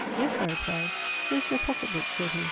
"Yes," I replied. "Here is your pocket book," said he.